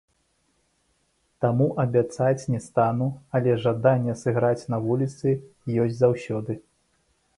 Таму абяцаць не стану, але жаданне сыграць на вуліцы ёсць заўсёды.